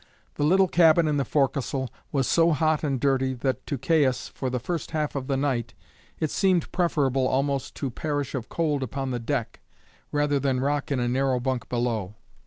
The little cabin in the forecastle was so hot and dirty that to Caius, for the first half of the night, it seemed preferable almost to perish of cold upon the deck rather than rock in a narrow bunk below.